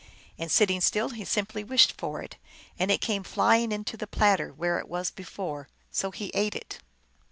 And sitting still he simply wished for it, and it came flying into the plat ter where it was before. So he ate it.